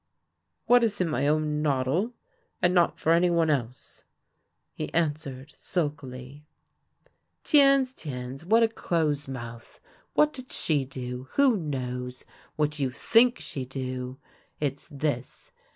" What is in my own noddle, and not for any one else," he answered sulkily. " Tiens! tints ! what a close mouth ! What did she do ? Who knows? What you ^/zt;?^ she do, it's this.